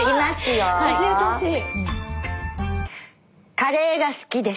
「カレーが好きです」。